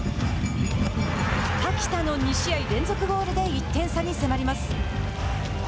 垣田の２試合連続ゴールで１点差に迫ります。